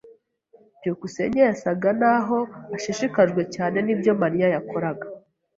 byukusenge yasaga naho ashishikajwe cyane nibyo Mariya yakoraga.